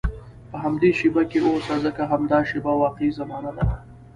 په همدې شېبه کې اوسه، ځکه همدا شېبه واقعي زمانه ده.